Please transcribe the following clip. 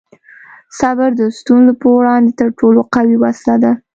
صبر د ستونزو په وړاندې تر ټولو قوي وسله ده.